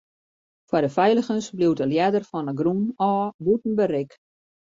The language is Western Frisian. Foar de feiligens bliuwt de ljedder fan 'e grûn ôf bûten berik.